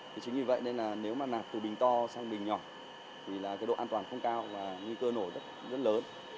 thế chính vì vậy nên là nếu mà nạp từ bình to sang bình nhỏ thì là cái độ an toàn không cao và nguy cơ nổ rất lớn